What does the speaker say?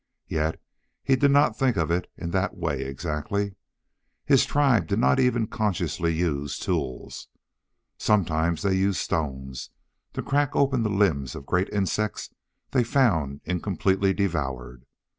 Yet he did not think of it in that way exactly. His tribe did not even consciously use tools. Sometimes they used stones to crack open the limbs of great insects they found incompletely devoured.